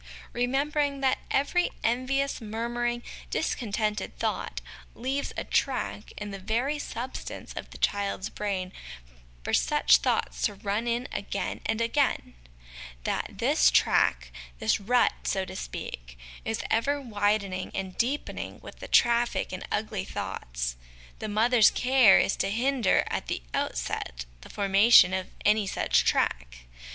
Remembering that every envious, murmuring, discontented thought leaves a track in the very substance of the child's brain for uch thoughts to run in again and again that this track, this rut, so to speak, is ever widening and deepening with the traffic in ugly thoughts the mother's care is to hinder at the outset the formation of any such track.